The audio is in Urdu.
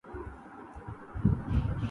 مری نوا میں نہیں طائر چمن کا نصیب